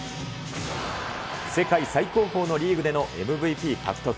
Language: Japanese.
世界最高峰のリーグでのＭＶＰ獲得。